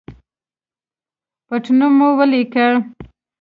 پټنوم مو ولیکئ